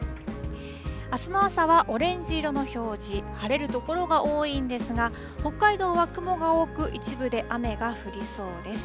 あすの朝はオレンジ色の表示、晴れる所が多いんですが、北海道は雲が多く、一部で雨が降りそうです。